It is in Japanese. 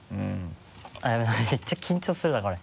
あっめっちゃ緊張するなこれ。